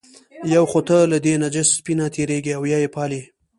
یو خو ته له دې نجس سپي نه تېرېږې او یې پالې.